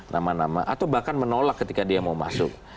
nama nama atau bahkan menolak ketika dia mau masuk